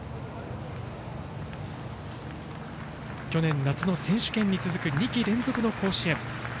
去年夏の選手権に続く２季連続の甲子園。